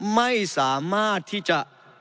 ไม่สามารถที่จะ